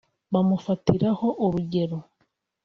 bamufatiraho urugero